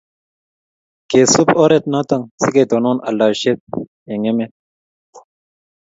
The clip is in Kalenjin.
kesup oret notok si ketonon aldaishet eng' emet